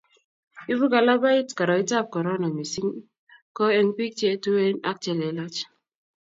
Ibu kalabait koroitab korona missing ko eng bik che tuen ak chelelach